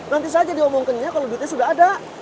nanti saja diomongkannya kalau duitnya sudah ada